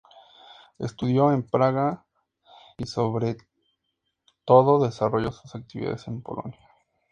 Estudió en Praga y sobre todo desarrolló sus actividades en Polonia.